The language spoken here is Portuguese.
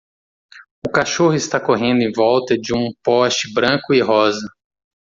O cachorro está correndo em volta de um poste branco e rosa.